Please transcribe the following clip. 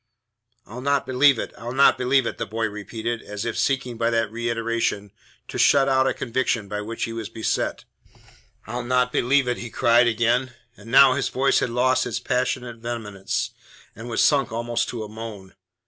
"I'll not believe it! I'll not believe it!" the boy repeated, as if seeking by that reiteration to shut out a conviction by which he was beset. "I'll not believe it!" he cried again; and now his voice had lost its passionate vehemence, and was sunk almost to a moan.